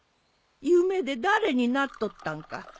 夢で誰になっとったんか